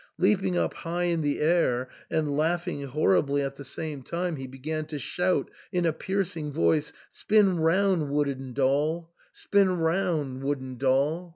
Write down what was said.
Leaping up high in the air and laughing horribly at the same time, he began to shout, in a piercing voice, " Spin round, wooden doll ! Spin 214 THE SAND'MAN. round, wooden doll!"